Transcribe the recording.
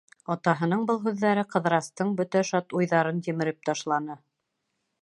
Атаһының был һүҙҙәре Ҡыҙырастың бөтә шат уйҙарын емереп ташланы.